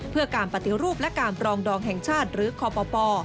เพื่อการปฏิรูปและการปรองดองแห่งชาติหรือคป